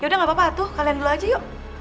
yaudah gapapa tuh kalian dulu aja yuk